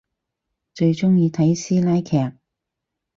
最中意睇師奶劇